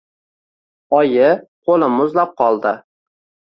Oyi, qo‘lim muzlab qoldi.